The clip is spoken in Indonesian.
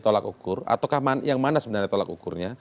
tolak ukur atau yang mana sebenarnya tolak ukur